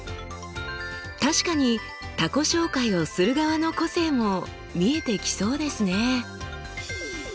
確かに他己紹介をする側の個性も見えてきそうですね。